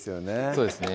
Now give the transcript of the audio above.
そうですね